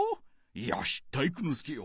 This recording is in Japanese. よし体育ノ介よ！